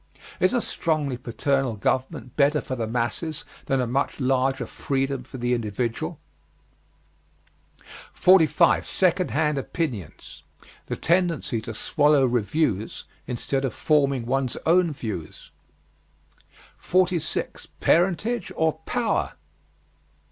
Is a strongly paternal government better for the masses than a much larger freedom for the individual? 45. SECOND HAND OPINIONS. The tendency to swallow reviews instead of forming one's own views. 46. PARENTAGE OR POWER?